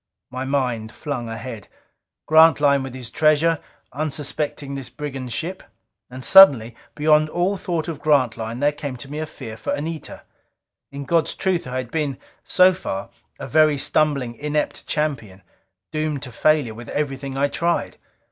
My mind flung ahead. Grantline with his treasure, unsuspecting this brigand ship. And suddenly, beyond all thought of Grantline, there came to me a fear for Anita. In God's truth I had been, so far, a very stumbling, inept champion, doomed to failure with everything I tried.